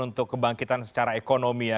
untuk kebangkitan secara ekonomi ya